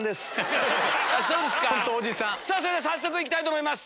それでは早速いきたいと思います。